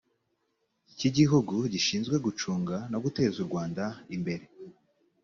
cy igihugu gishinzwe gucunga no guteza u rwanda imbere